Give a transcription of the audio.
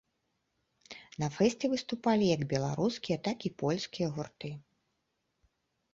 На фэсце выступалі як беларускія, так і польскія гурты.